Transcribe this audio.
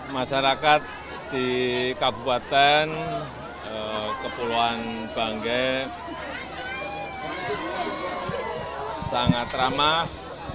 masyarakat di kabupaten kepulauan bangge sangat ramah